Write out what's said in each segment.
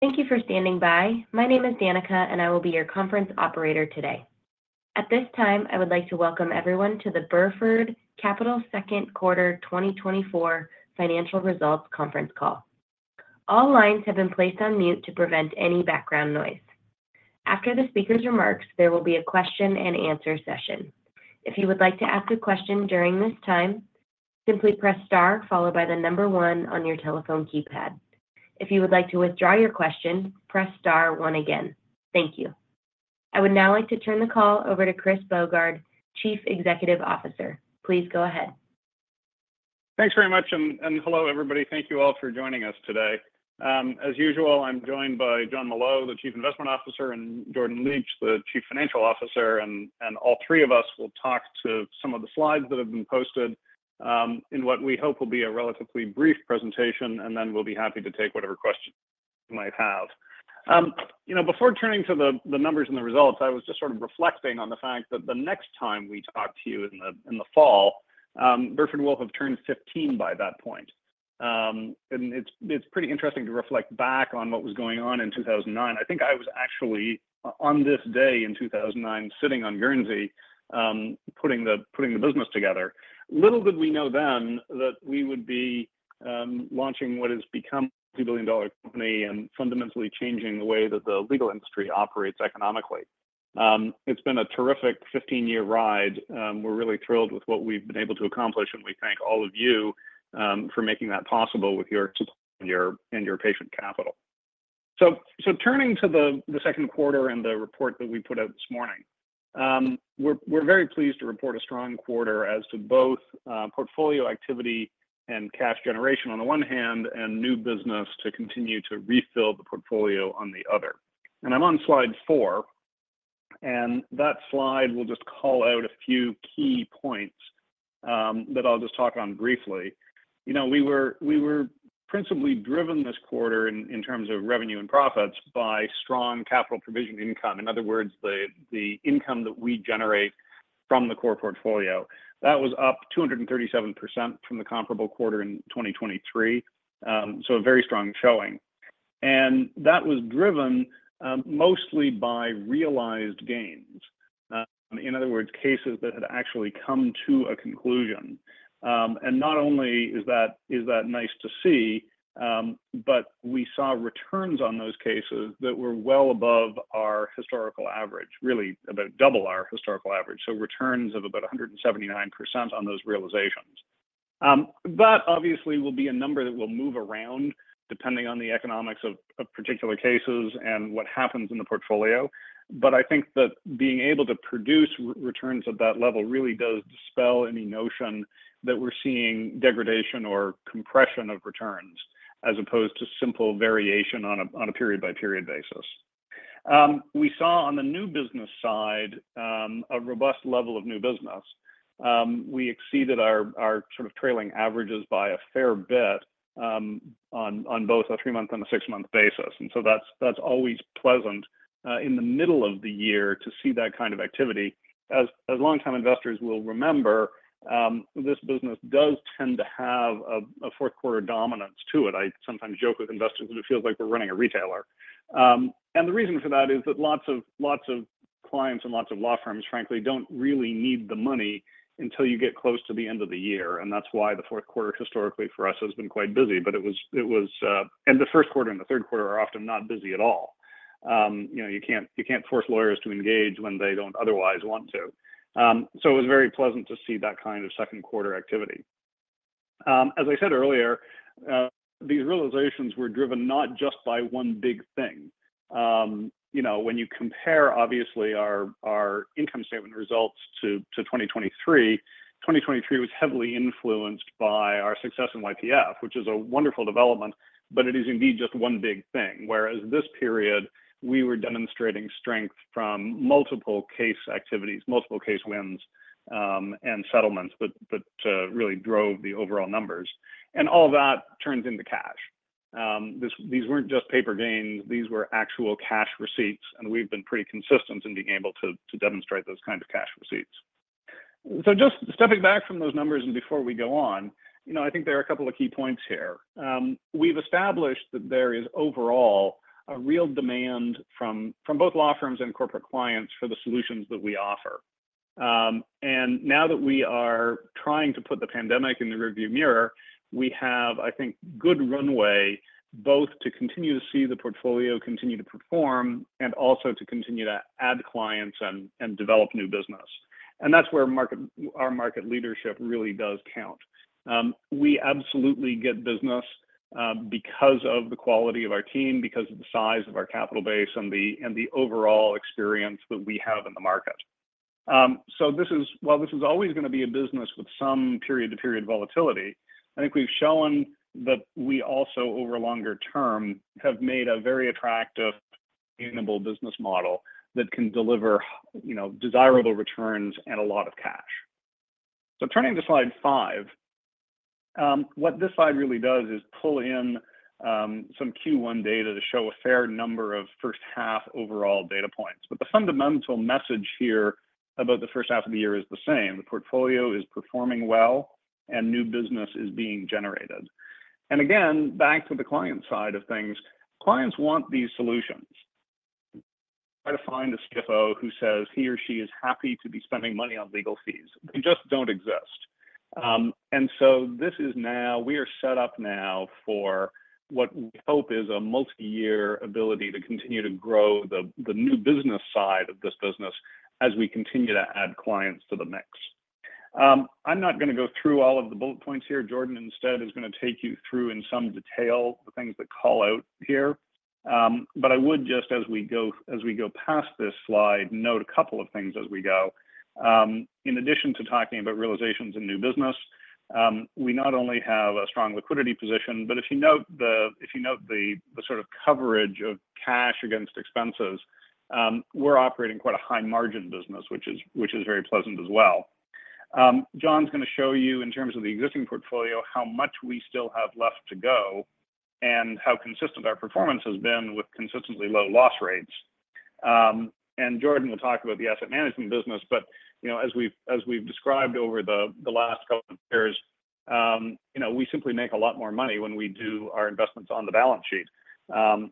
Thank you for standing by. My name is Danica, and I will be your conference operator today. At this time, I would like to welcome everyone to the Burford Capital Second Quarter 2024 Financial Results Conference Call. All lines have been placed on mute to prevent any background noise. After the speaker's remarks, there will be a question-and-answer session. If you would like to ask a question during this time, simply press star followed by the number one on your telephone keypad. If you would like to withdraw your question, press star one again. Thank you. I would now like to turn the call over to Chris Bogart, Chief Executive Officer. Please go ahead. Thanks very much, and hello, everybody. Thank you all for joining us today. As usual, I'm joined by Jonathan Molot, the Chief Investment Officer, and Jordan Licht, the Chief Financial Officer, and all three of us will talk to some of the slides that have been posted, in what we hope will be a relatively brief presentation, and then we'll be happy to take whatever questions you might have. You know, before turning to the numbers and the results, I was just sort of reflecting on the fact that the next time we talk to you in the fall, Burford will have turned 15 by that point. It's pretty interesting to reflect back on what was going on in 2009. I think I was actually, on this day in 2009, sitting on Guernsey, putting the business together. Little did we know then that we would be launching what has become a $2 billion company and fundamentally changing the way that the legal industry operates economically. It's been a terrific 15-year ride. We're really thrilled with what we've been able to accomplish, and we thank all of you for making that possible with your support and your patient capital. So turning to the second quarter and the report that we put out this morning, we're very pleased to report a strong quarter as to both portfolio activity and cash generation on the one hand, and new business to continue to refill the portfolio on the other. I'm on slide 4, and that slide will just call out a few key points that I'll just talk on briefly. You know, we were principally driven this quarter in terms of revenue and profits by strong capital provision income. In other words, the income that we generate from the core portfolio. That was up 237% from the comparable quarter in 2023, so a very strong showing. And that was driven mostly by realized gains. In other words, cases that had actually come to a conclusion. And not only is that nice to see, but we saw returns on those cases that were well above our historical average, really about double our historical average, so returns of about 179% on those realizations. That obviously will be a number that will move around, depending on the economics of particular cases and what happens in the portfolio. But I think that being able to produce returns at that level really does dispel any notion that we're seeing degradation or compression of returns, as opposed to simple variation on a period-by-period basis. We saw on the new business side a robust level of new business. We exceeded our sort of trailing averages by a fair bit, on both a three-month and a six-month basis, and so that's always pleasant in the middle of the year to see that kind of activity. As longtime investors will remember, this business does tend to have a fourth quarter dominance to it. I sometimes joke with investors that it feels like we're running a retailer. And the reason for that is that lots of, lots of clients and lots of law firms, frankly, don't really need the money until you get close to the end of the year, and that's why the fourth quarter, historically, for us, has been quite busy. But it was, it was, and the first quarter and the third quarter are often not busy at all. You know, you can't, you can't force lawyers to engage when they don't otherwise want to. So it was very pleasant to see that kind of second quarter activity. As I said earlier, these realizations were driven not just by one big thing. You know, when you compare, obviously, our, our income statement results to 2023, 2023 was heavily influenced by our success in YPF, which is a wonderful development, but it is indeed just one big thing. Whereas this period, we were demonstrating strength from multiple case activities, multiple case wins, and settlements that really drove the overall numbers. All that turns into cash. These weren't just paper gains, these were actual cash receipts, and we've been pretty consistent in being able to demonstrate those kinds of cash receipts. Just stepping back from those numbers and before we go on, you know, I think there are a couple of key points here. We've established that there is overall a real demand from, from both law firms and corporate clients for the solutions that we offer. Now that we are trying to put the pandemic in the rearview mirror, we have, I think, good runway both to continue to see the portfolio continue to perform and also to continue to add clients and develop new business. That's where our market leadership really does count. We absolutely get business because of the quality of our team, because of the size of our capital base, and the overall experience that we have in the market. So this is... while this is always gonna be a business with some period-to-period volatility, I think we've shown that we also, over longer term, have made a very attractive, sustainable business model that can deliver, you know, desirable returns and a lot of cash. Turning to slide 5, what this slide really does is pull in some Q1 data to show a fair number of H1 overall data points. But the fundamental message here about the H1 of the year is the same. The portfolio is performing well, and new business is being generated. And again, back to the client side of things, clients want these solutions. Try to find a CFO who says he or she is happy to be spending money on legal fees. They just don't exist. And so this is now—we are set up now for what we hope is a multi-year ability to continue to grow the new business side of this business as we continue to add clients to the mix. I'm not gonna go through all of the bullet points here. Jordan, instead, is gonna take you through in some detail, the things that call out here. But I would, just as we go past this slide, note a couple of things as we go. In addition to talking about realizations and new business, we not only have a strong liquidity position, but if you note the sort of coverage of cash against expenses, we're operating quite a high-margin business, which is very pleasant as well. John's gonna show you in terms of the existing portfolio, how much we still have left to go and how consistent our performance has been with consistently low loss rates. And Jordan will talk about the asset management business, but, you know, as we've described over the last couple of years, you know, we simply make a lot more money when we do our investments on the balance sheet,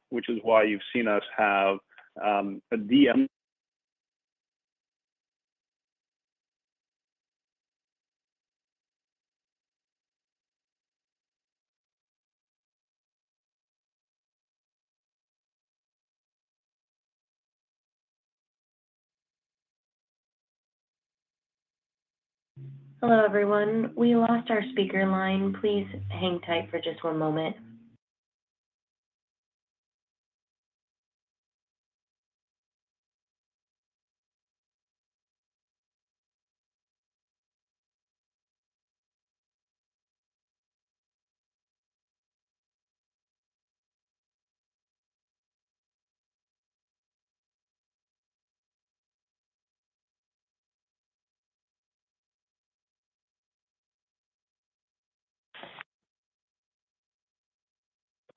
which is why you've seen us have a DM- Hello, everyone. We lost our speaker line. Please hang tight for just one moment.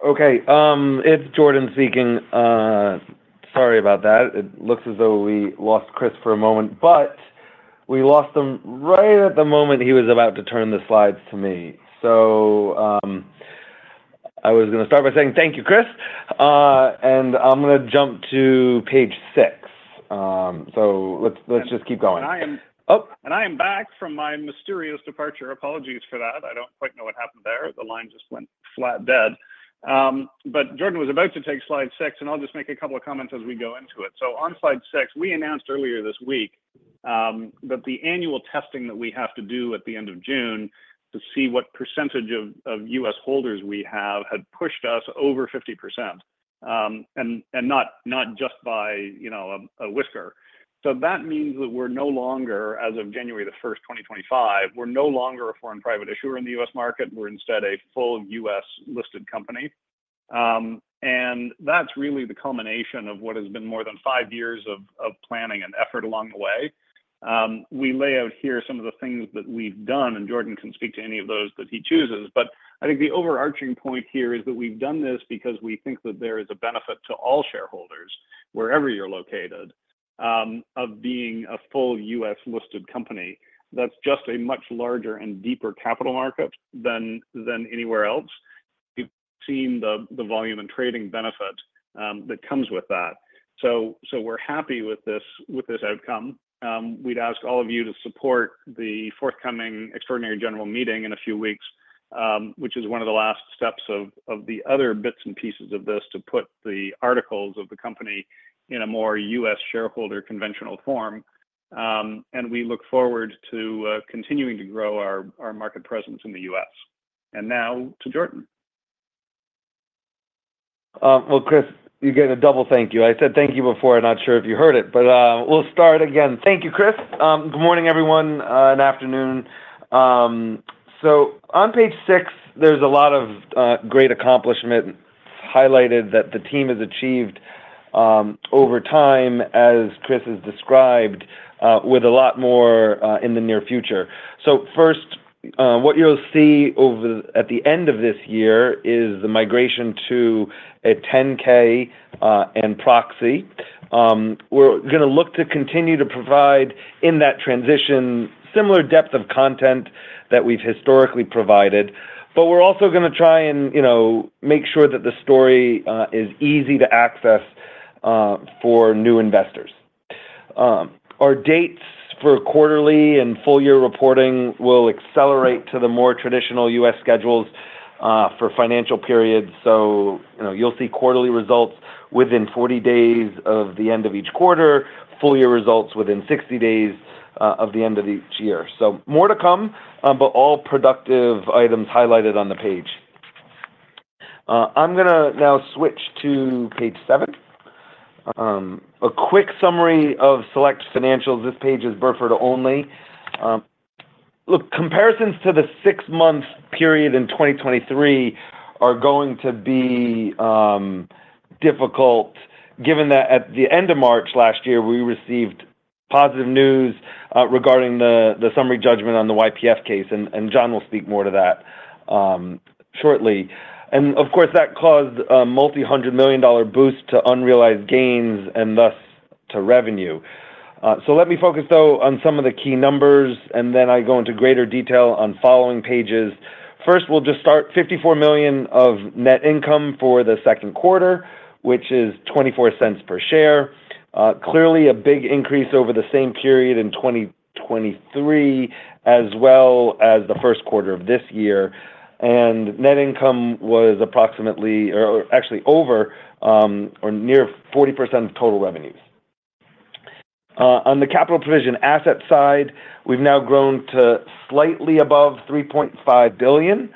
Okay, it's Jordan speaking. Sorry about that. It looks as though we lost Chris for a moment, but we lost him right at the moment he was about to turn the slides to me. So, I was gonna start by saying thank you, Chris, and I'm gonna jump to page 6. So, let's just keep going. I am- Oh. I am back from my mysterious departure. Apologies for that. I don't quite know what happened there. The line just went flat dead. But Jordan was about to take slide six, and I'll just make a couple of comments as we go into it. On slide six, we announced earlier this week that the annual testing that we have to do at the end of June to see what percentage of U.S. holders we have had pushed us over 50%. And not just by, you know, a whisker. So that means that we're no longer, as of January 1, 2025, we're no longer a foreign private issuer in the U.S. market. We're instead a full U.S.-listed company. And that's really the culmination of what has been more than five years of planning and effort along the way. We lay out here some of the things that we've done, and Jordan can speak to any of those that he chooses. But I think the overarching point here is that we've done this because we think that there is a benefit to all shareholders, wherever you're located, of being a full U.S.-listed company. That's just a much larger and deeper capital market than anywhere else. You've seen the volume and trading benefit that comes with that. So we're happy with this outcome. We'd ask all of you to support the forthcoming extraordinary general meeting in a few weeks, which is one of the last steps of the other bits and pieces of this, to put the articles of the company in a more U.S. shareholder conventional form. We look forward to continuing to grow our market presence in the U.S. Now to Jordan. Well, Chris, you get a double thank you. I said thank you before, not sure if you heard it, but we'll start again. Thank you, Chris. Good morning, everyone, and afternoon. So on page 6, there's a lot of great accomplishment highlighted that the team has achieved over time, as Chris has described, with a lot more in the near future. So first, what you'll see at the end of this year is the migration to a 10-K and proxy. We're gonna look to continue to provide in that transition, similar depth of content that we've historically provided, but we're also gonna try and, you know, make sure that the story is easy to access for new investors. Our dates for quarterly and full year reporting will accelerate to the more traditional U.S. schedules for financial periods. So, you know, you'll see quarterly results within 40 days of the end of each quarter, full year results within 60 days of the end of each year. So more to come, but all productive items highlighted on the page. I'm gonna now switch to page 7. A quick summary of select financials. This page is Burford only. Look, comparisons to the six-month period in 2023 are going to be difficult, given that at the end of March last year, we received positive news regarding the summary judgment on the YPF case, and John will speak more to that shortly. And of course, that caused a multi-hundred million dollar boost to unrealized gains and thus to revenue. So let me focus, though, on some of the key numbers, and then I go into greater detail on following pages. First, we'll just start $54 million of net income for the second quarter, which is $0.24 per share. Clearly a big increase over the same period in 2023, as well as the first quarter of this year. And net income was approximately or, actually over, or near 40% of total revenues. On the capital provision asset side, we've now grown to slightly above $3.5 billion.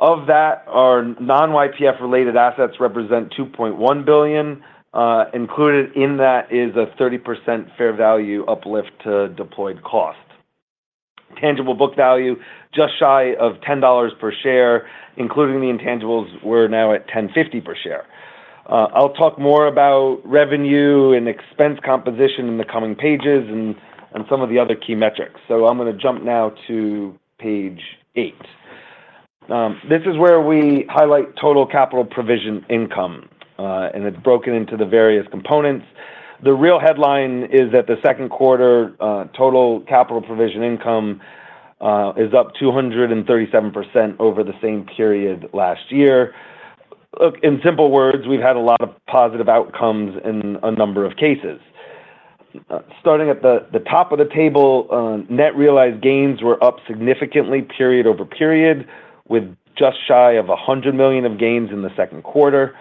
Of that, our non-YPF related assets represent $2.1 billion. Included in that is a 30% fair value uplift to deployed cost. Tangible book value, just shy of $10 per share, including the intangibles, we're now at $10.50 per share. I'll talk more about revenue and expense composition in the coming pages and some of the other key metrics. So I'm gonna jump now to page 8. This is where we highlight total capital provision income, and it's broken into the various components. The real headline is that the second quarter total capital provision income is up 237% over the same period last year. Look, in simple words, we've had a lot of positive outcomes in a number of cases. Starting at the top of the table, net realized gains were up significantly period over period, with just shy of $100 million of gains in the second quarter.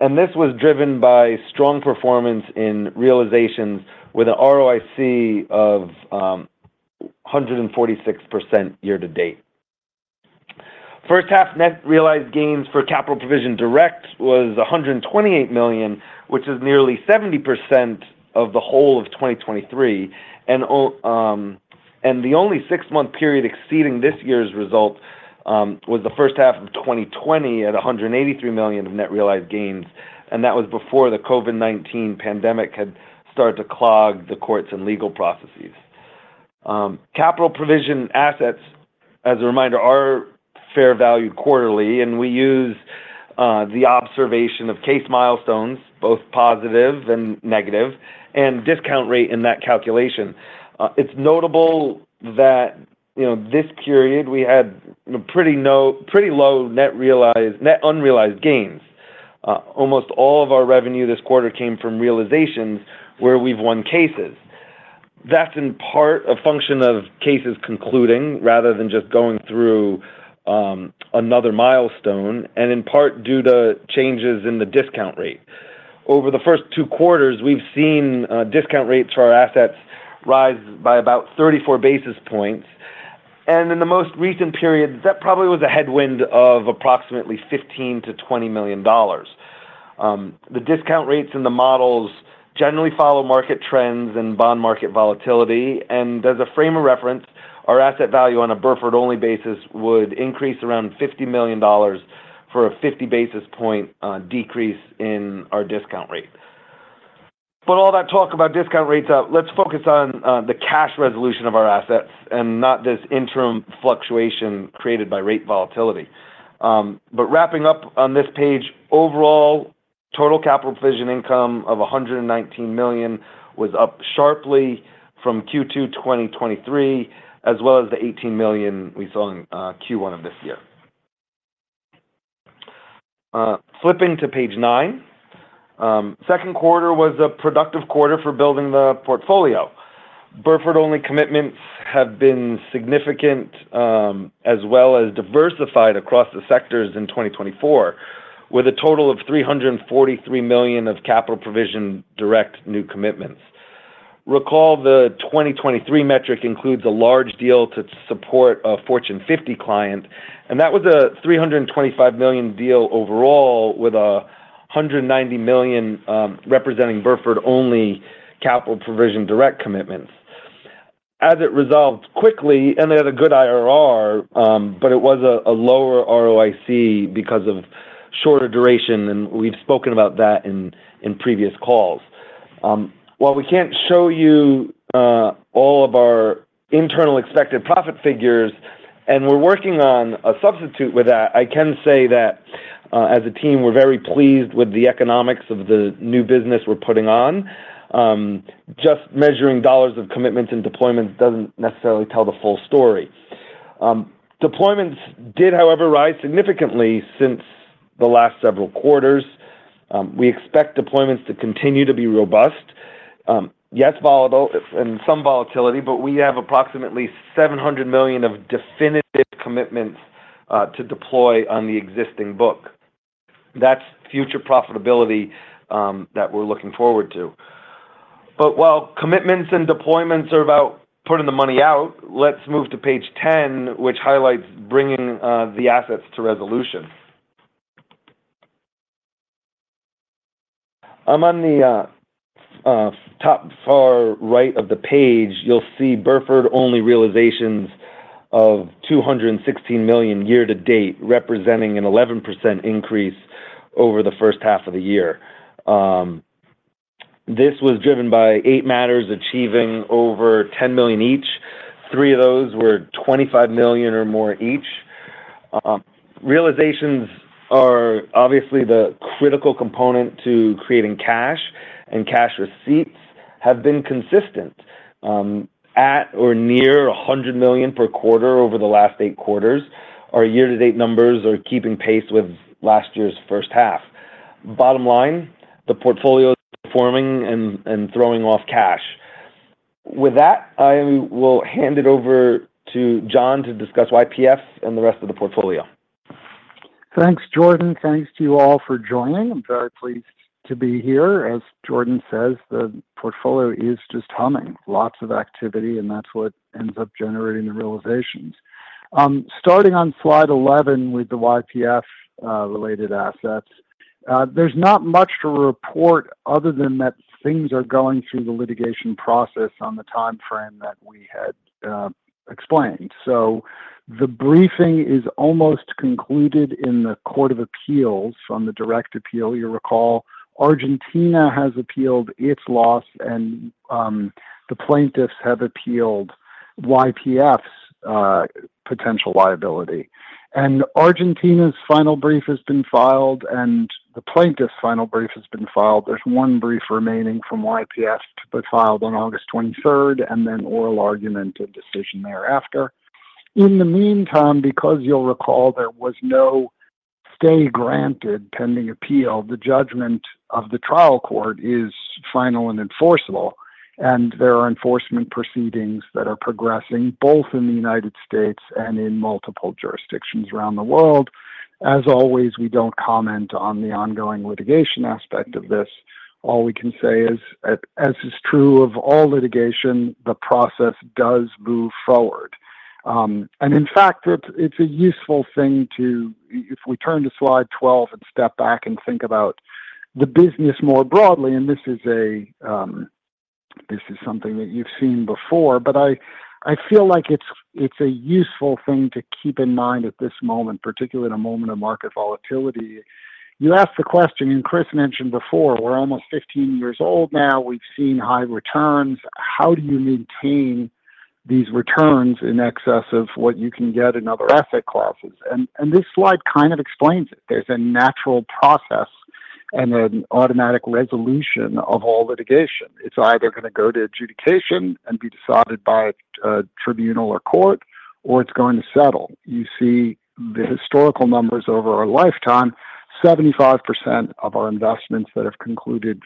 And this was driven by strong performance in realizations with an ROIC of 146% year to date. H1 net realized gains for capital provision direct was $128 million, which is nearly 70% of the whole of 2023, and the only 6-month period exceeding this year's result was the H1 of 2020, at $183 million of net realized gains, and that was before the COVID-19 pandemic had started to clog the courts and legal processes. Capital provision assets, as a reminder, are fair valued quarterly, and we use the observation of case milestones, both positive and negative, and discount rate in that calculation. It's notable that, you know, this period we had pretty low net unrealized gains. Almost all of our revenue this quarter came from realizations where we've won cases. That's in part a function of cases concluding rather than just going through another milestone, and in part due to changes in the discount rate. Over the first two quarters, we've seen discount rates for our assets rise by about 34 basis points, and in the most recent period, that probably was a headwind of approximately $15 to 20 million. The discount rates and the models generally follow market trends and bond market volatility, and as a frame of reference, our asset value on a Burford-only basis would increase around $50 million for a 50 basis point decrease in our discount rate. But all that talk about discount rates out, let's focus on the cash resolution of our assets and not this interim fluctuation created by rate volatility. But wrapping up on this page, overall, total capital provision income of $119 million was up sharply from Q2 2023, as well as the $18 million we saw in Q1 of this year. Flipping to page 9. Second quarter was a productive quarter for building the portfolio. Burford-only commitments have been significant, as well as diversified across the sectors in 2024, with a total of $343 million of capital provision direct new commitments. Recall the 2023 metric includes a large deal to support a Fortune 50 client, and that was a $325 million deal overall, with $190 million representing Burford-only capital provision direct commitments. As it resolved quickly, and they had a good IRR, but it was a lower ROIC because of shorter duration, and we've spoken about that in previous calls. While we can't show you all of our internal expected profit figures, and we're working on a substitute with that, I can say that as a team, we're very pleased with the economics of the new business we're putting on. Just measuring dollars of commitments and deployments doesn't necessarily tell the full story. Deployments did, however, rise significantly since the last several quarters. We expect deployments to continue to be robust, yet volatile and some volatility, but we have approximately $700 million of definitive commitments to deploy on the existing book. That's future profitability that we're looking forward to. But while commitments and deployments are about putting the money out, let's move to page 10, which highlights bringing the assets to resolution. On the top far right of the page, you'll see Burford-only realizations of $216 million year to date, representing an 11% increase over the H1 of the year. This was driven by eight matters achieving over $10 million each. Three of those were $25 million or more each. Realizations are obviously the critical component to creating cash, and cash receipts have been consistent at or near $100 million per quarter over the last eight quarters. Our year-to-date numbers are keeping pace with last year's H1. Bottom line, the portfolio is performing and, and throwing off cash. With that, I will hand it over to John to discuss YPF and the rest of the portfolio. Thanks, Jordan. Thanks to you all for joining. I'm very pleased to be here. As Jordan says, the portfolio is just humming. Lots of activity, and that's what ends up generating the realizations. Starting on slide 11 with the YPF related assets, there's not much to report other than that things are going through the litigation process on the timeframe that we had explained. So the briefing is almost concluded in the Court of Appeals on the direct appeal. You recall, Argentina has appealed its loss, and the plaintiffs have appealed YPF's potential liability. And Argentina's final brief has been filed, and the plaintiff's final brief has been filed. There's one brief remaining from YPF to be filed on August twenty-third, and then oral argument and decision thereafter. In the meantime, because you'll recall there was no stay granted pending appeal, the judgment of the trial court is final and enforceable, and there are enforcement proceedings that are progressing both in the United States and in multiple jurisdictions around the world. As always, we don't comment on the ongoing litigation aspect of this. All we can say is, as is true of all litigation, the process does move forward. And in fact, it's a useful thing to... If we turn to slide 12 and step back and think about the business more broadly, and this is something that you've seen before, but I feel like it's a useful thing to keep in mind at this moment, particularly in a moment of market volatility. You ask the question, and Chris mentioned before, we're almost 15 years old now. We've seen high returns. How do you maintain these returns in excess of what you can get in other asset classes? And this slide kind of explains it. There's a natural process and an automatic resolution of all litigation. It's either gonna go to adjudication and be decided by a tribunal or court, or it's going to settle. You see the historical numbers over our lifetime, 75% of our investments that have concluded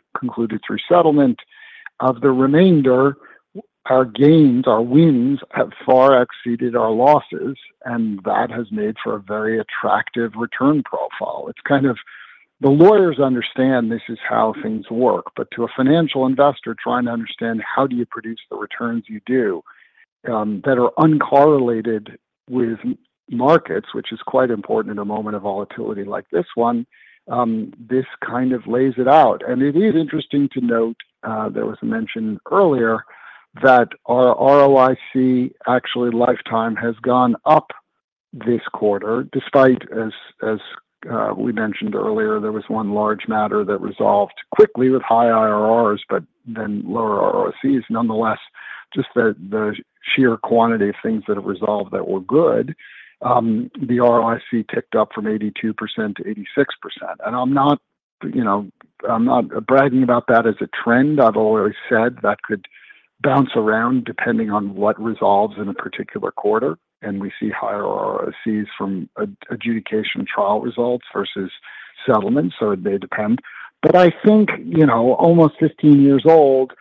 through settlement. Of the remainder, our gains, our wins, have far exceeded our losses, and that has made for a very attractive return profile. It's kind of... The lawyers understand this is how things work, but to a financial investor trying to understand how do you produce the returns you do, that are uncorrelated with markets, which is quite important in a moment of volatility like this one, this kind of lays it out. And it is interesting to note, there was a mention earlier that our ROIC, actually, lifetime, has gone up this quarter, despite, as, as, we mentioned earlier, there was one large matter that resolved quickly with high IRRs, but then lower ROICs. Nonetheless, just the, the sheer quantity of things that have resolved that were good, the ROIC ticked up from 82% to 86%. And I'm not, you know, I'm not bragging about that as a trend. I've always said that could bounce around depending on what resolves in a particular quarter, and we see higher ROICs from adjudication and trial results versus settlements, so they depend. But I think, you know, almost 15 years old,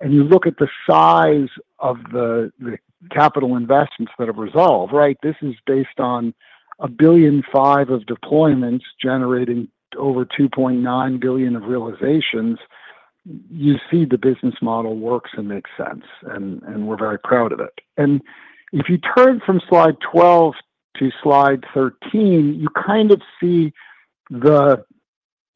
and you look at the size of the capital investments that have resolved, right? This is based on $1.5 billion of deployments generating over $2.9 billion of realizations. You see the business model works and makes sense, and we're very proud of it. And if you turn from slide 12 to slide 13, you kind of see the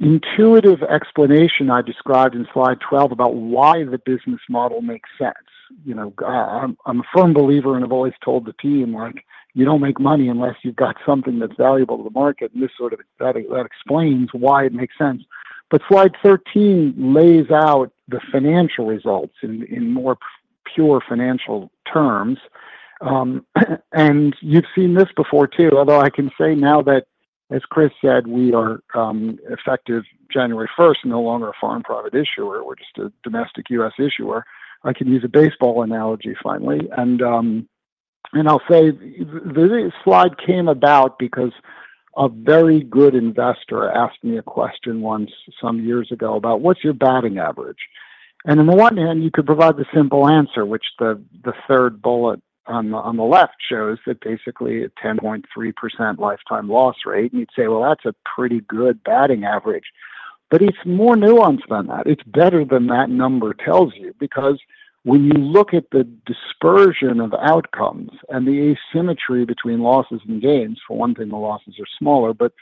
intuitive explanation I described in slide 12 about why the business model makes sense. You know, I'm a firm believer, and I've always told the team, like, you don't make money unless you've got something that's valuable to the market, and this sort of that explains why it makes sense. But slide 13 lays out the financial results in more pure financial terms. And you've seen this before, too. Although I can say now that, as Chris said, we are effective January first, no longer a foreign private issuer. We're just a domestic U.S. issuer. I can use a baseball analogy finally, and I'll say this slide came about because a very good investor asked me a question once, some years ago, about what's your batting average? On the one hand, you could provide the simple answer, which the third bullet on the left shows that basically a 10.3% lifetime loss rate, and you'd say, "Well, that's a pretty good batting average." But it's more nuanced than that. It's better than that number tells you, because when you look at the dispersion of outcomes and the asymmetry between losses and gains, for one thing, the losses are smaller. But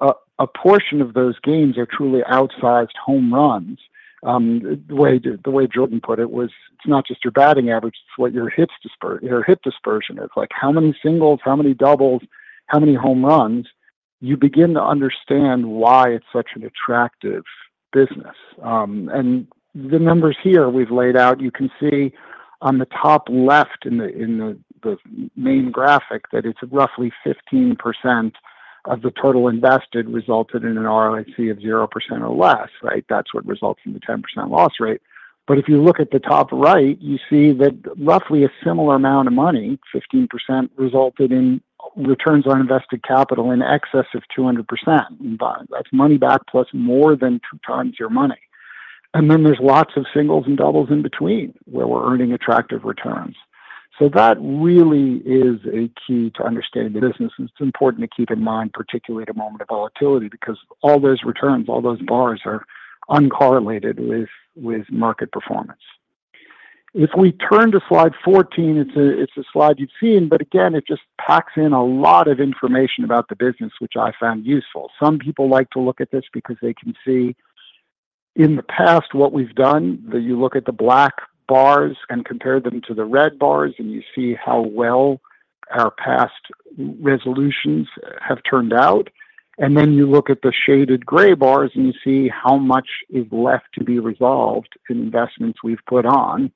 a portion of those gains are truly outsized home runs. The way Jordan put it was, "It's not just your batting average, it's what your hit dispersion." It's like, how many singles, how many doubles, how many home runs?... you begin to understand why it's such an attractive business. And the numbers here we've laid out, you can see on the top left in the main graphic, that it's roughly 15% of the total invested resulted in an ROIC of 0% or less, right? That's what results in the 10% loss rate. But if you look at the top right, you see that roughly a similar amount of money, 15%, resulted in returns on invested capital in excess of 200%. But that's money back plus more than two times your money. And then there's lots of singles and doubles in between where we're earning attractive returns. So that really is a key to understanding the business, and it's important to keep in mind, particularly at a moment of volatility, because all those returns, all those bars, are uncorrelated with market performance. If we turn to slide 14, it's a, it's a slide you've seen, but again, it just packs in a lot of information about the business, which I found useful. Some people like to look at this because they can see in the past what we've done. That you look at the black bars and compare them to the red bars, and you see how well our past resolutions have turned out. And then you look at the shaded gray bars, and you see how much is left to be resolved in investments we've put on.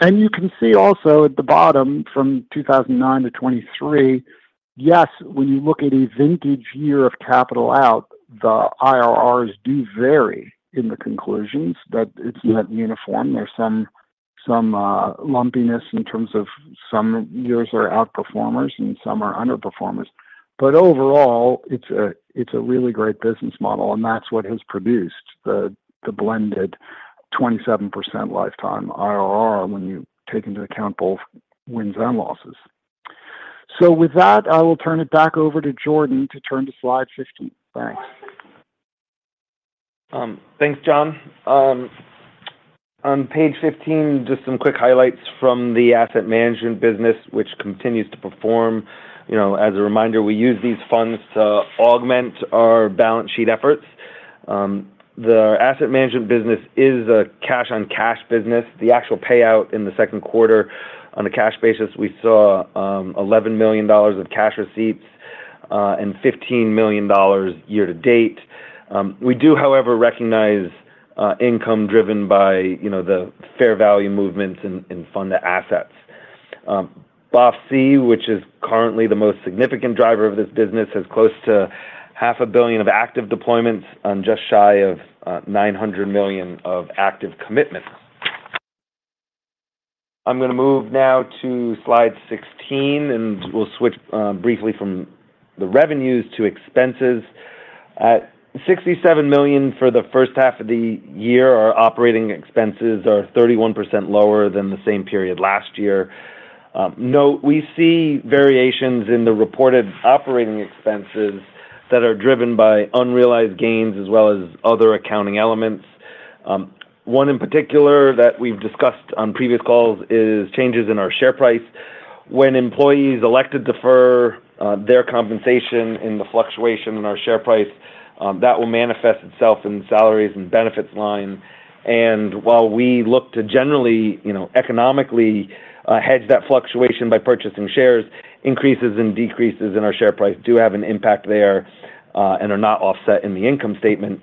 And you can see also at the bottom, from 2009 to 2023, yes, when you look at a vintage year of capital out, the IRRs do vary in the conclusions, but it's not uniform. There's some, some, lumpiness in terms of some years are outperformers and some are underperformers. But overall, it's a really great business model, and that's what has produced the blended 27% lifetime IRR when you take into account both wins and losses. So with that, I will turn it back over to Jordan to turn to slide 15. Thanks. Thanks, John. On page 15, just some quick highlights from the asset management business, which continues to perform. You know, as a reminder, we use these funds to augment our balance sheet efforts. The asset management business is a cash-on-cash business. The actual payout in the second quarter on a cash basis, we saw $11 million of cash receipts, and $15 million year to date. We do, however, recognize income driven by, you know, the fair value movements in fund assets. BOF-C, which is currently the most significant driver of this business, has close to $500 million of active deployments on just shy of $900 million of active commitments. I'm going to move now to slide 16, and we'll switch briefly from the revenues to expenses. At $67 million for the H1 of the year, our operating expenses are 31% lower than the same period last year. Note, we see variations in the reported operating expenses that are driven by unrealized gains as well as other accounting elements. One in particular that we've discussed on previous calls is changes in our share price. When employees elect to defer their compensation in the fluctuation in our share price, that will manifest itself in salaries and benefits line. And while we look to generally, you know, economically, hedge that fluctuation by purchasing shares, increases and decreases in our share price do have an impact there, and are not offset in the income statement.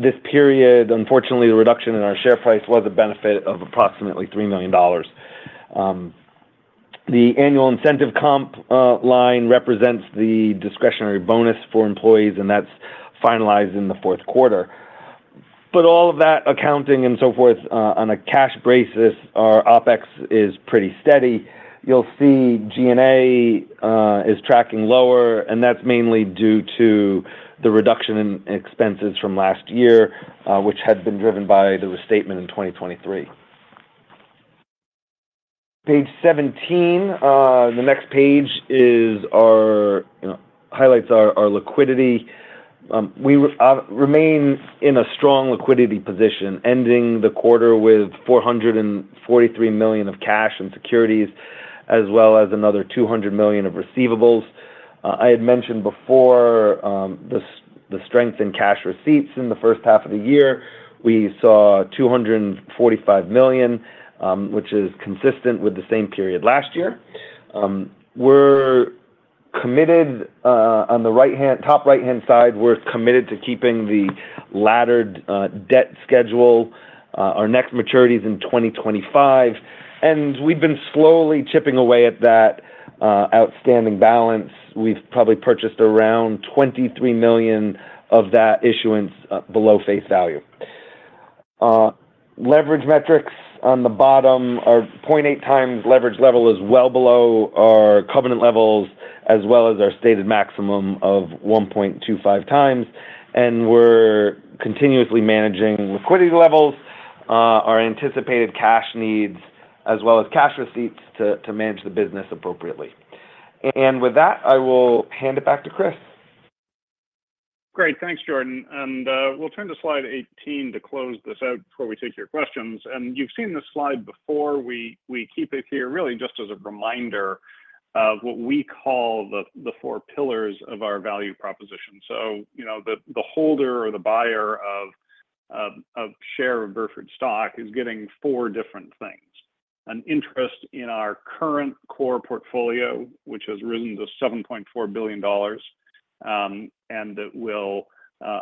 This period, unfortunately, the reduction in our share price was a benefit of approximately $3 million. The annual incentive comp line represents the discretionary bonus for employees, and that's finalized in the fourth quarter. But all of that accounting and so forth, on a cash basis, our OpEx is pretty steady. You'll see G&A is tracking lower, and that's mainly due to the reduction in expenses from last year, which had been driven by the statement in 2023. page 17, the next page is our... you know, highlights our, our liquidity. We remain in a strong liquidity position, ending the quarter with $443 million of cash and securities, as well as another $200 million of receivables. I had mentioned before, the strength in cash receipts in the H1 of the year. We saw $245 million, which is consistent with the same period last year. We're committed, on the right-hand, top right-hand side, we're committed to keeping the laddered debt schedule. Our next maturity is in 2025, and we've been slowly chipping away at that outstanding balance. We've probably purchased around $23 million of that issuance below face value. Leverage metrics on the bottom are 0.8x leverage level is well below our covenant levels, as well as our stated maximum of 1.25x, and we're continuously managing liquidity levels, our anticipated cash needs, as well as cash receipts to manage the business appropriately. And with that, I will hand it back to Chris. Great. Thanks, Jordan. And we'll turn to slide 18 to close this out before we take your questions. And you've seen this slide before. We keep it here really just as a reminder of what we call the four pillars of our value proposition. So, you know, the holder or the buyer of share of Burford stock is getting four different things.... an interest in our current core portfolio, which has risen to $7.4 billion, and that will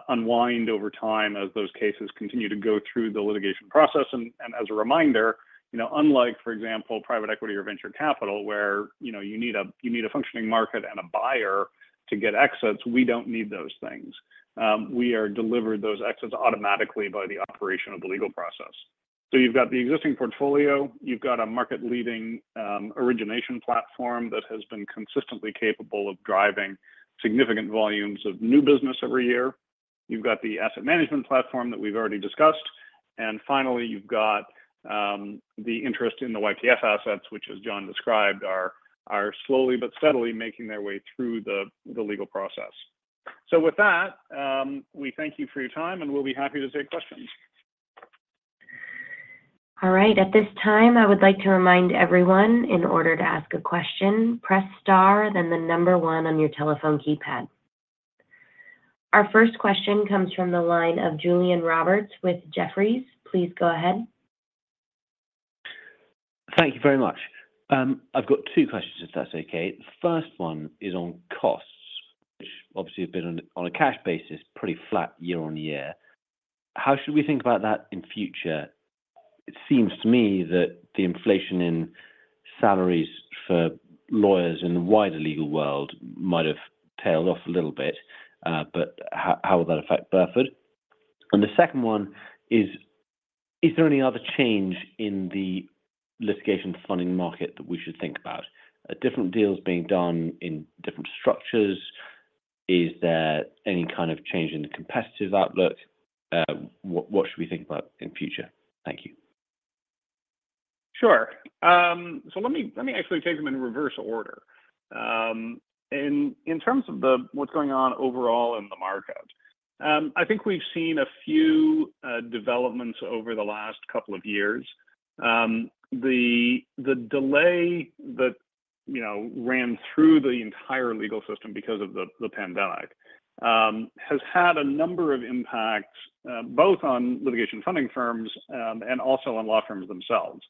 unwind over time as those cases continue to go through the litigation process. And, and as a reminder, you know, unlike, for example, private equity or venture capital, where, you know, you need a, you need a functioning market and a buyer to get exits, we don't need those things. We are delivered those exits automatically by the operation of the legal process. So you've got the existing portfolio, you've got a market-leading origination platform that has been consistently capable of driving significant volumes of new business every year. You've got the asset management platform that we've already discussed, and finally, you've got the interest in the YPF assets, which as John described, are slowly but steadily making their way through the legal process. So with that, we thank you for your time, and we'll be happy to take questions. All right. At this time, I would like to remind everyone, in order to ask a question, press star, then the number one on your telephone keypad. Our first question comes from the line of Julian Roberts with Jefferies. Please go ahead. Thank you very much. I've got two questions, if that's okay. The first one is on costs, which obviously have been on a cash basis, pretty flat year on year. How should we think about that in future? It seems to me that the inflation in salaries for lawyers in the wider legal world might have tailed off a little bit, but how will that affect Burford? And the second one is, is there any other change in the litigation funding market that we should think about? Are different deals being done in different structures? Is there any kind of change in the competitive outlook? What should we think about in future? Thank you. Sure. So let me, let me actually take them in reverse order. In, in terms of what's going on overall in the market, I think we've seen a few developments over the last couple of years. The, the delay that, you know, ran through the entire legal system because of the, the pandemic, has had a number of impacts, both on litigation funding firms, and also on law firms themselves,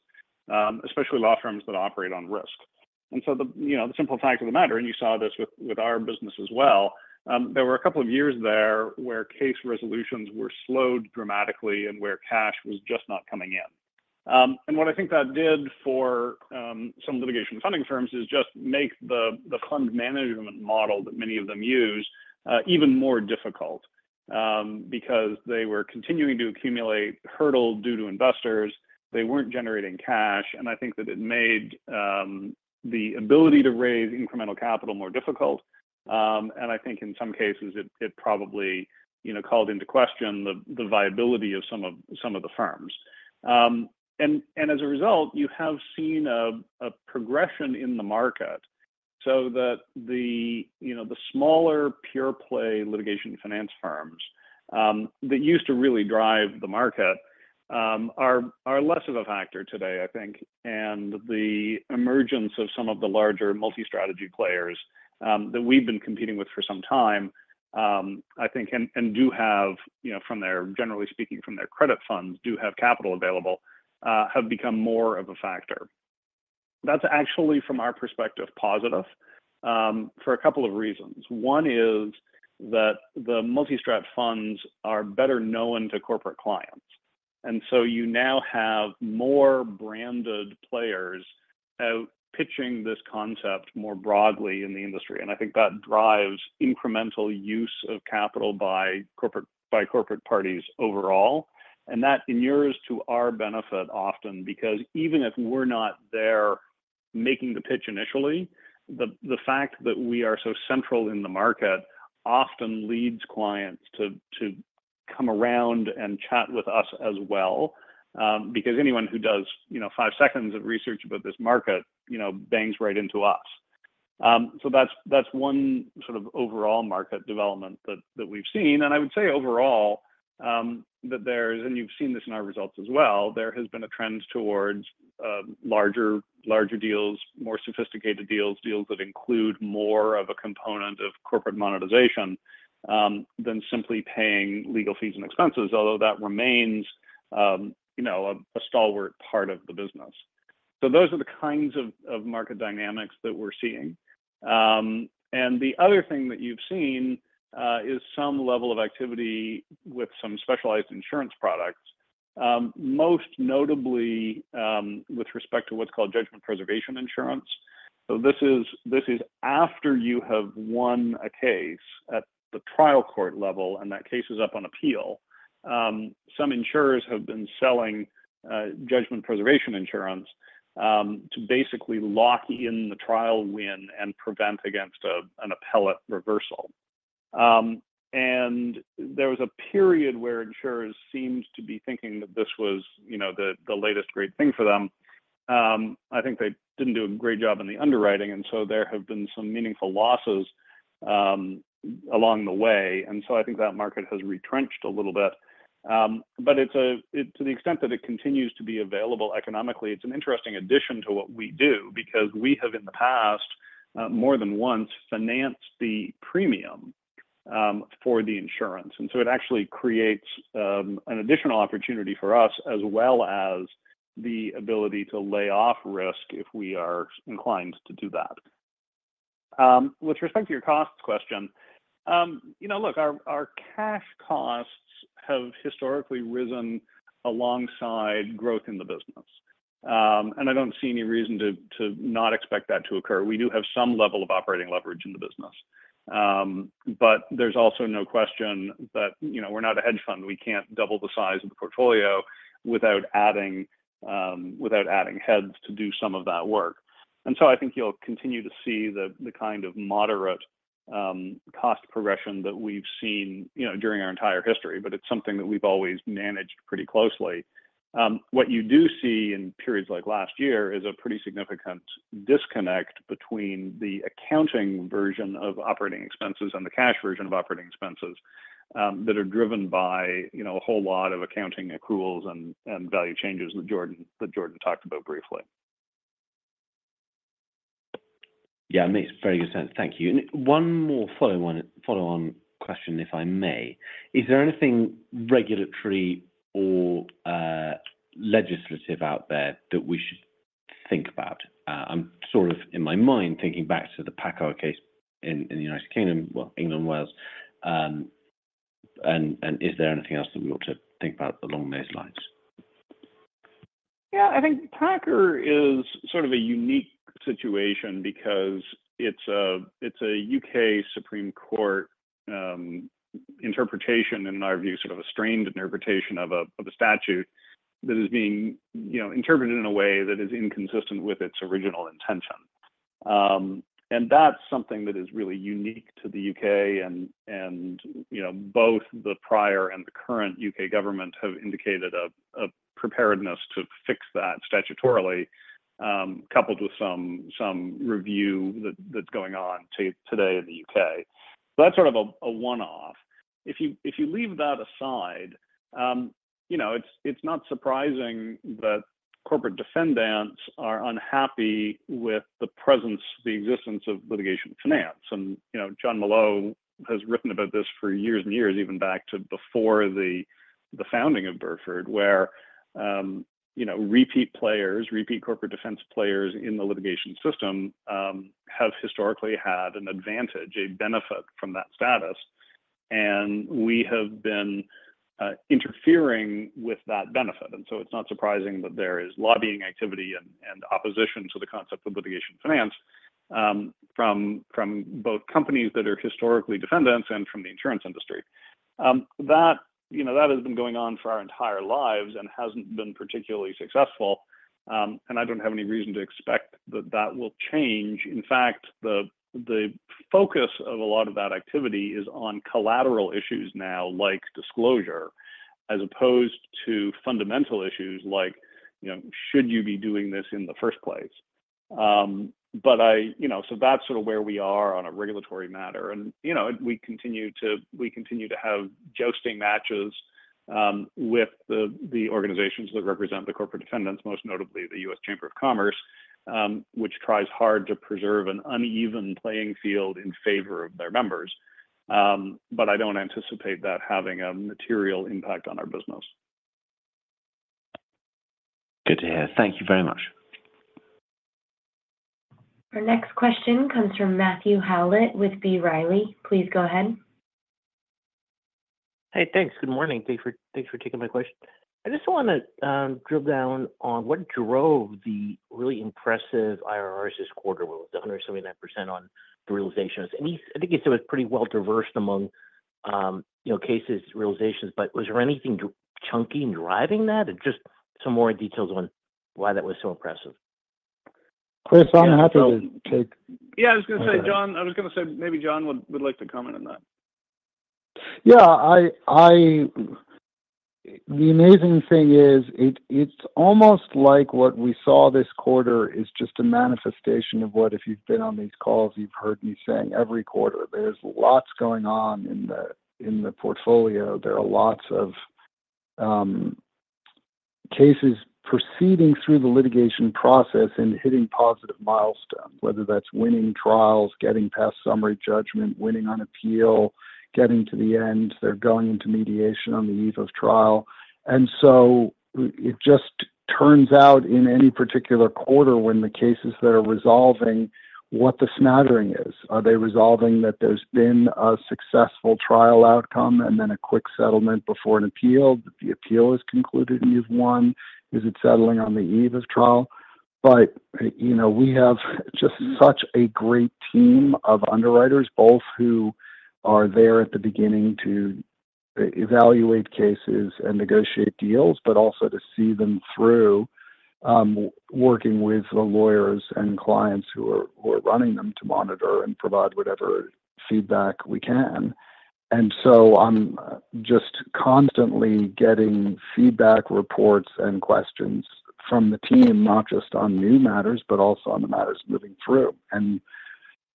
especially law firms that operate on risk. And so the, you know, the simple fact of the matter, and you saw this with, with our business as well, there were a couple of years there where case resolutions were slowed dramatically and where cash was just not coming in. And what I think that did for some litigation funding firms is just make the fund management model that many of them use even more difficult, because they were continuing to accumulate hurdle due to investors. They weren't generating cash, and I think that it made the ability to raise incremental capital more difficult. And I think in some cases it probably, you know, called into question the viability of some of the firms. And as a result, you have seen a progression in the market so that, you know, the smaller, pure play litigation finance firms that used to really drive the market are less of a factor today, I think, and the emergence of some of the larger multi-strategy players that we've been competing with for some time, I think, and do have, you know, from their, generally speaking, from their credit funds, do have capital available, have become more of a factor. That's actually, from our perspective, positive for a couple of reasons. One is that the multi-strat funds are better known to corporate clients, and so you now have more branded players out pitching this concept more broadly in the industry, and I think that drives incremental use of capital by corporate, by corporate parties overall. And that inures to our benefit often, because even if we're not there making the pitch initially, the fact that we are so central in the market often leads clients to come around and chat with us as well, because anyone who does, you know, five seconds of research about this market, you know, bangs right into us. So that's one sort of overall market development that we've seen. And I would say overall, that there's... and you've seen this in our results as well, there has been a trend towards larger deals, more sophisticated deals, deals that include more of a component of corporate monetization than simply paying legal fees and expenses, although that remains, you know, a stalwart part of the business. So those are the kinds of market dynamics that we're seeing. And the other thing that you've seen is some level of activity with some specialized insurance products, most notably, with respect to what's called judgment preservation insurance. So this is, this is after you have won a case at the trial court level, and that case is up on appeal. Some insurers have been selling judgment preservation insurance to basically lock in the trial win and prevent against a, an appellate reversal. And there was a period where insurers seemed to be thinking that this was, you know, the, the latest great thing for them. I think they didn't do a great job in the underwriting, and so there have been some meaningful losses along the way. And so I think that market has retrenched a little bit. But it's a—to the extent that it continues to be available economically, it's an interesting addition to what we do, because we have, in the past, more than once, financed the premium for the insurance. And so it actually creates an additional opportunity for us, as well as the ability to lay off risk if we are inclined to do that. With respect to your cost question, you know, look, our cash costs have historically risen alongside growth in the business. And I don't see any reason to not expect that to occur. We do have some level of operating leverage in the business. But there's also no question that, you know, we're not a hedge fund. We can't double the size of the portfolio without adding heads to do some of that work. And so I think you'll continue to see the kind of moderate cost progression that we've seen, you know, during our entire history, but it's something that we've always managed pretty closely. What you do see in periods like last year is a pretty significant disconnect between the accounting version of operating expenses and the cash version of operating expenses that are driven by, you know, a whole lot of accounting accruals and value changes that Jordan talked about briefly. Yeah, it makes very good sense. Thank you. And one more follow-on question, if I may. Is there anything regulatory or legislative out there that we should think about? I'm sort of, in my mind, thinking back to the PACCAR case in the United Kingdom, well, England, Wales. And is there anything else that we ought to think about along those lines? Yeah. I think PACCAR is sort of a unique situation because it's a, it's a U.K. Supreme Court interpretation, in our view, sort of a strained interpretation of a, of a statute that is being, you know, interpreted in a way that is inconsistent with its original intention. And that's something that is really unique to the U.K. and, and, you know, both the prior and the current U.K. government have indicated a, a preparedness to fix that statutorily, coupled with some, some review that's going on today in the U.K. So that's sort of a one-off. If you, if you leave that aside, you know, it's, it's not surprising that corporate defendants are unhappy with the presence, the existence of litigation finance. You know, Jon Molot has written about this for years and years, even back to before the founding of Burford, where, you know, repeat players, repeat corporate defense players in the litigation system, have historically had an advantage, a benefit from that status, and we have been interfering with that benefit. So it's not surprising that there is lobbying activity and opposition to the concept of litigation finance, from both companies that are historically defendants and from the insurance industry. That, you know, that has been going on for our entire lives and hasn't been particularly successful, and I don't have any reason to expect that that will change. In fact, the focus of a lot of that activity is on collateral issues now, like disclosure, as opposed to fundamental issues like, you know, should you be doing this in the first place? But you know, so that's sort of where we are on a regulatory matter. And, you know, we continue to have jousting matches with the organizations that represent the corporate defendants, most notably the U.S. Chamber of Commerce, which tries hard to preserve an uneven playing field in favor of their members. But I don't anticipate that having a material impact on our business. Good to hear. Thank you very much. Our next question comes from Matt Howlett with B. Riley. Please go ahead. Hey, thanks. Good morning. Thank you for taking my question. I just want to drill down on what drove the really impressive IRRs this quarter. It was 179% on the realizations. I think it was pretty well diversified among, you know, cases, realizations, but was there anything chunky driving that? Just some more details on why that was so impressive. Chris, I'm happy to take- Yeah, I was going to say, John, I was going to say maybe John would like to comment on that. Yeah, I... The amazing thing is, it's almost like what we saw this quarter is just a manifestation of what, if you've been on these calls, you've heard me saying every quarter. There's lots going on in the portfolio. There are lots of cases proceeding through the litigation process and hitting positive milestones, whether that's winning trials, getting past summary judgment, winning on appeal, getting to the end, they're going into mediation on the eve of trial. And so it just turns out in any particular quarter when the cases that are resolving, what the smattering is. Are they resolving that there's been a successful trial outcome and then a quick settlement before an appeal? The appeal is concluded, and you've won. Is it settling on the eve of trial? But, you know, we have just such a great team of underwriters, both who are there at the beginning to evaluate cases and negotiate deals, but also to see them through, working with the lawyers and clients who are running them to monitor and provide whatever feedback we can. And so I'm just constantly getting feedback, reports, and questions from the team, not just on new matters, but also on the matters moving through. And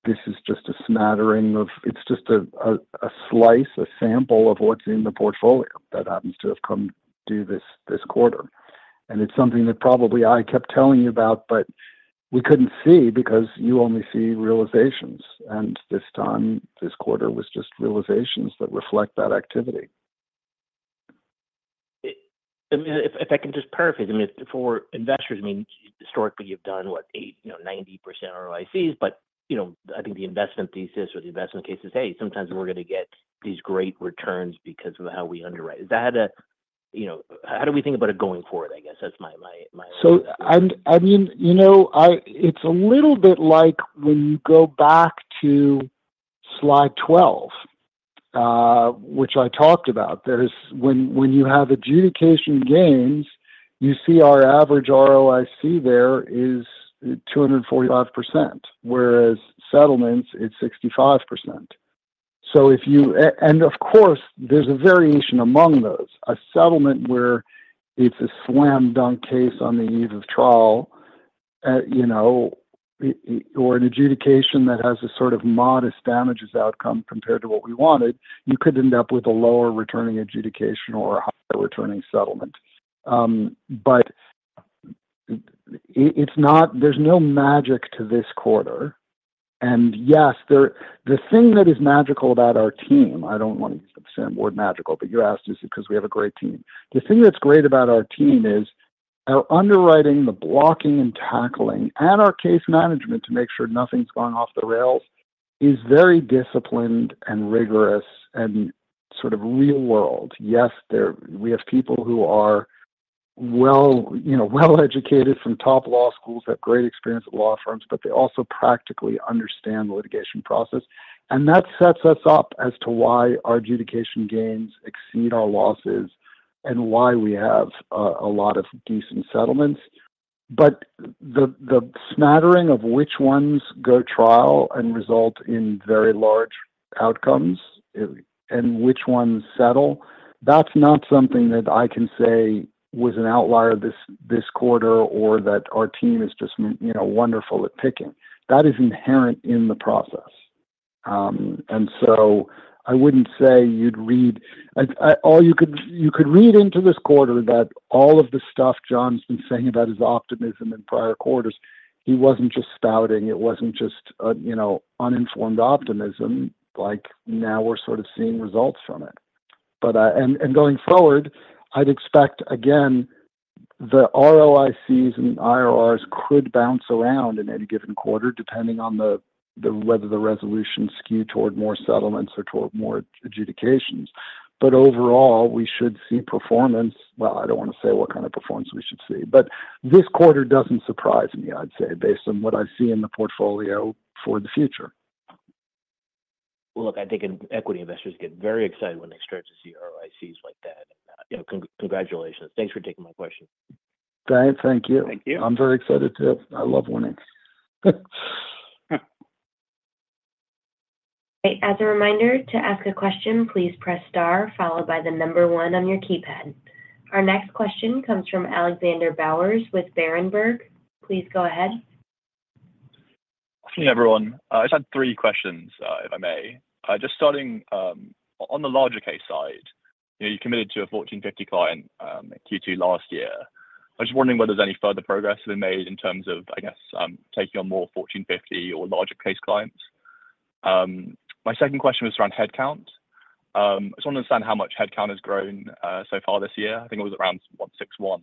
this is just a smattering of—it's just a slice, a sample of what's in the portfolio that happens to have come due this quarter, and it's something that probably I kept telling you about, but we couldn't see because you only see realizations. And this time, this quarter was just realizations that reflect that activity. I mean, if I can just paraphrase. I mean, for investors, I mean, historically, you've done what? 8, you know, 90% ROICs, but, you know, I think the investment thesis or the investment case is, hey, sometimes we're gonna get these great returns because of how we underwrite. Is that, you know, how do we think about it going forward? I guess that's my- So, and, I mean, you know, it's a little bit like when you go back to slide 12, which I talked about. When you have adjudication gains, you see our average ROIC there is 245%, whereas settlements, it's 65%. So, and of course, there's a variation among those. A settlement where it's a slam dunk case on the eve of trial, you know, or an adjudication that has a sort of modest damages outcome compared to what we wanted, you could end up with a lower returning adjudication or a higher returning settlement. But it's not. There's no magic to this quarter. And yes, the thing that is magical about our team, I don't want to use the same word, magical, but you asked, is because we have a great team. The thing that's great about our team is our underwriting, the blocking and tackling and our case management to make sure nothing's gone off the rails, is very disciplined and rigorous and sort of real world. Yes, there we have people who are well, you know, well-educated from top law schools, have great experience at law firms, but they also practically understand the litigation process, and that sets us up as to why our adjudication gains exceed our losses and why we have a lot of decent settlements. But the smattering of which ones go to trial and result in very large outcomes, and which ones settle, that's not something that I can say was an outlier this quarter, or that our team is just in, you know, wonderful at picking. That is inherent in the process. And so I wouldn't say you'd read... All you could read into this quarter that all of the stuff John's been saying about his optimism in prior quarters, he wasn't just spouting. It wasn't just a, you know, uninformed optimism, like now we're sort of seeing results from it. But, and going forward, I'd expect, again, the ROICs and IRRs could bounce around in any given quarter, depending on whether the resolutions skew toward more settlements or toward more adjudications. But overall, we should see performance... Well, I don't want to say what kind of performance we should see, but this quarter doesn't surprise me, I'd say, based on what I see in the portfolio for the future. Well, look, I think equity investors get very excited when they start to see ROICs like that. And, congratulations. Thanks for taking my question. Great. Thank you. Thank you. I'm very excited, too. I love winning. As a reminder, to ask a question, please press star followed by 1 on your keypad. Our next question comes from Alexander Bowers with Berenberg. Please go ahead. Good evening, everyone. I just had three questions, if I may. Just starting on the larger case side, you know, you committed to a Fortune 50 client in Q2 last year. I'm just wondering whether there's any further progress been made in terms of, I guess, taking on more Fortune 50 or larger case clients. My second question was around headcount. I just want to understand how much headcount has grown so far this year. I think it was around 161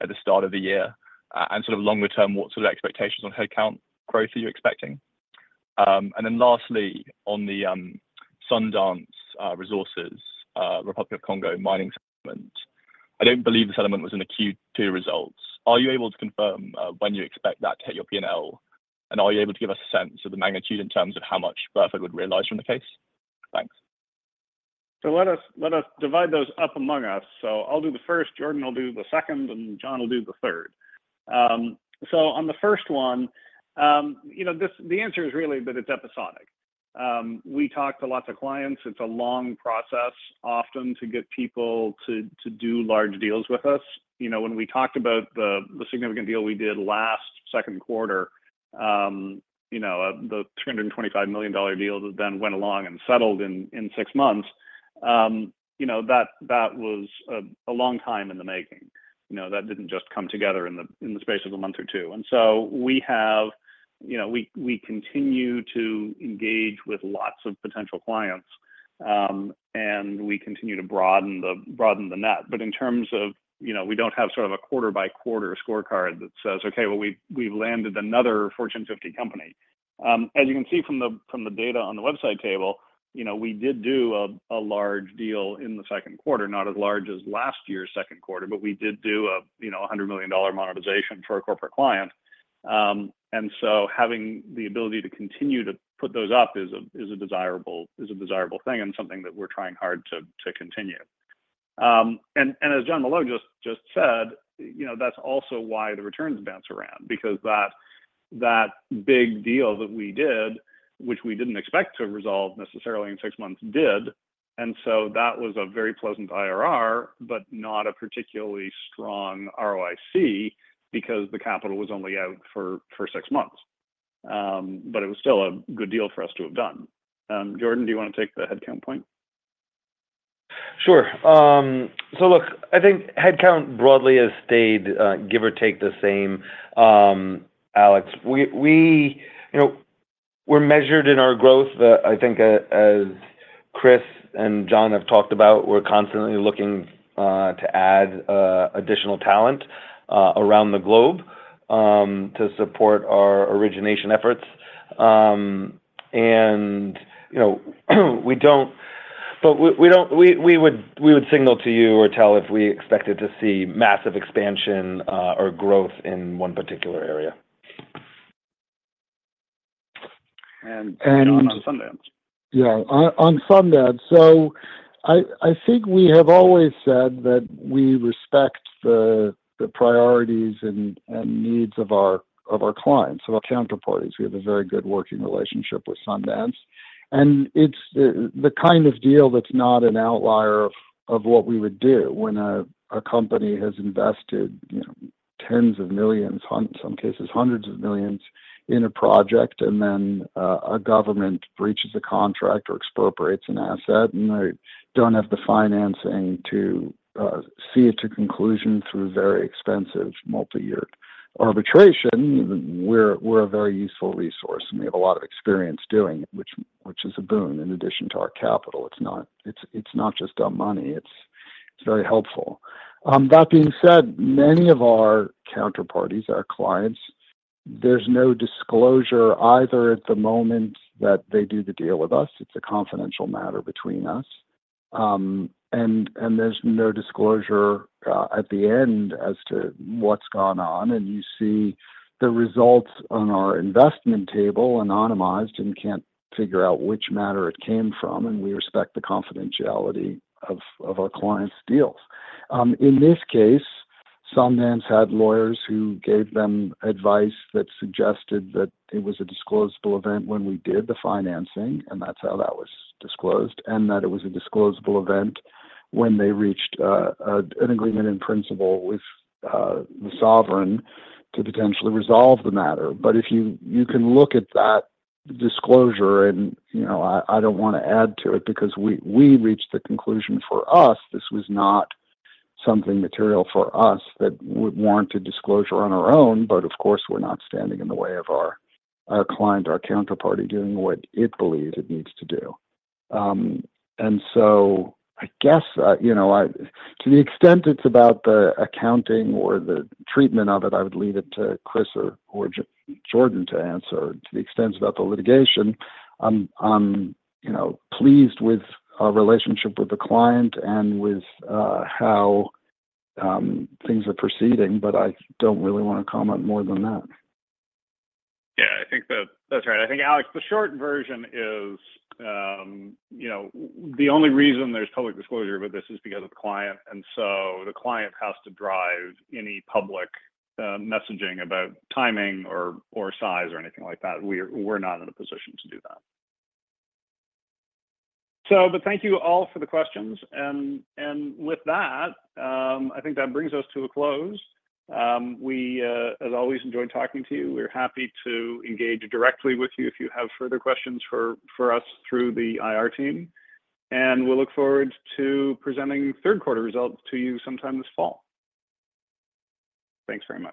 at the start of the year. And sort of longer term, what sort of expectations on headcount growth are you expecting? And then lastly, on the Sundance Resources Republic of the Congo mining segment, I don't believe this element was in the Q2 results. Are you able to confirm when you expect that to hit your P&L? And are you able to give a sense of the magnitude in terms of how much Burford would realize from the case? Thanks. So let us divide those up among us. So I'll do the first, Jordan will do the second, and John will do the third. So on the first one, you know, this, the answer is really that it's episodic. We talk to lots of clients. It's a long process often to get people to do large deals with us. You know, when we talked about the significant deal we did last second quarter, you know, the $325 million deal that then went along and settled in 6 months, you know, that was a long time in the making. You know, that didn't just come together in the space of a month or two. So we have, you know, we continue to engage with lots of potential clients, and we continue to broaden the net. But in terms of, you know, we don't have sort of a quarter-by-quarter scorecard that says, "Okay, well, we've landed another Fortune 50 company." As you can see from the data on the website table, you know, we did do a large deal in the second quarter, not as large as last year's second quarter, but we did do a $100 million monetization for a corporate client. Having the ability to continue to put those up is a desirable thing and something that we're trying hard to continue. And as John Molot just said, you know, that's also why the returns bounce around, because that big deal that we did, which we didn't expect to resolve necessarily in 6 months, did. And so that was a very pleasant IRR, but not a particularly strong ROIC, because the capital was only out for 6 months... But it was still a good deal for us to have done. Jordan, do you want to take the headcount point? Sure. So look, I think headcount broadly has stayed, give or take the same, Alex. We, we, you know, we're measured in our growth that I think, as Chris and John have talked about, we're constantly looking to add additional talent around the globe to support our origination efforts. And, you know, we would signal to you or tell if we expected to see massive expansion or growth in one particular area. John, on Sundance. Yeah. On Sundance. So I think we have always said that we respect the priorities and needs of our clients, of our counterparties. We have a very good working relationship with Sundance, and it's the kind of deal that's not an outlier of what we would do when a company has invested, you know, tens of millions, in some cases, hundreds of millions in a project, and then a government breaches a contract or expropriates an asset, and they don't have the financing to see it to conclusion through very expensive multi-year arbitration. We're a very useful resource, and we have a lot of experience doing it, which is a boon in addition to our capital. It's not just our money, it's very helpful. That being said, many of our counterparties, our clients, there's no disclosure either at the moment that they do the deal with us. It's a confidential matter between us. And there's no disclosure at the end as to what's gone on, and you see the results on our investment table anonymized and can't figure out which matter it came from, and we respect the confidentiality of our clients' deals. In this case, Sundance had lawyers who gave them advice that suggested that it was a disclosable event when we did the financing, and that's how that was disclosed, and that it was a disclosable event when they reached an agreement in principle with the sovereign to potentially resolve the matter. But if you can look at that disclosure, and, you know, I don't want to add to it because we reached the conclusion, for us, this was not something material for us that would warrant a disclosure on our own. But of course, we're not standing in the way of our client or our counterparty doing what it believes it needs to do. And so I guess, you know, to the extent it's about the accounting or the treatment of it, I would leave it to Chris or Jordan to answer. To the extent it's about the litigation, I'm, you know, pleased with our relationship with the client and with how things are proceeding, but I don't really want to comment more than that. Yeah, I think that, that's right. I think, Alex, the short version is, you know, the only reason there's public disclosure about this is because of the client, and so the client has to drive any public, messaging about timing or, or size or anything like that. We're, we're not in a position to do that. So but thank you all for the questions, and, and with that, I think that brings us to a close. We, as always, enjoyed talking to you. We're happy to engage directly with you if you have further questions for, for us through the IR team, and we look forward to presenting third quarter results to you sometime this fall. Thanks very much.